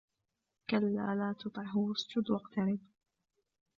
كلا لا تطعه واسجد واقترب